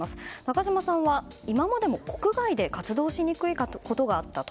中島さんは、今までも国外で活動しにくいことがあったと。